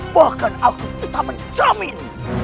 bahkan aku bisa menjamin